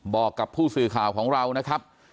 บอกกับผู้สื่อข่าวของเรานะครับ